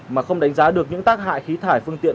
mà không đánh giá được những tác hại khí thải phương tiện